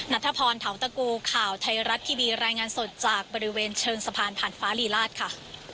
นัทพรเทาตะกูข่าวไทยรัฐทีวีรายงานสดจากบริเวณเชิงสะพานผ่านฟ้าลีลาศค่ะ